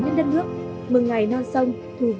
nhất đất nước mừng ngày non sông